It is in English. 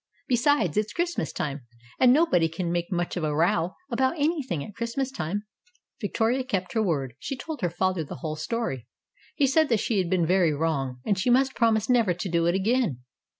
Besides, it's Christmas time, and nobody can make much of a row about anything at Christmas time." Victoria kept her word. She told her father the whole story. He said that she had been very wrong, and she must promise never to do it again.